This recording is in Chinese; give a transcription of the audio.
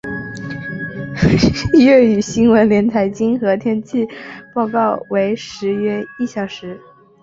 粤语新闻连财经和天气报告为时约一小时。